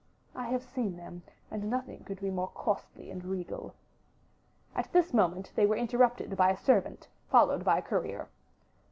"I have seen them, and nothing could be more costly and regal." At this moment they were interrupted by a servant followed by a courier.